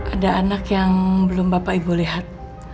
ada anak yang belum bapak ibu lihat